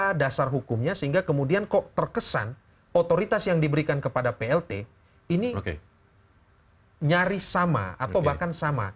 apa dasar hukumnya sehingga kemudian kok terkesan otoritas yang diberikan kepada plt ini nyaris sama atau bahkan sama